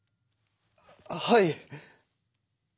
はい。